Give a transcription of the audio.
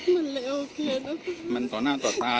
มันเลยประเภทต่อหน้าต่อตา